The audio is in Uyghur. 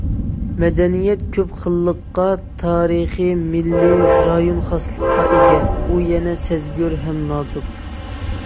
مەدەنىيەت كۆپ خىللىققا، تارىخىي، مىللىي، رايون خاسلىقىغا ئىگە، ئۇ يەنە سەزگۈر ھەم نازۇك.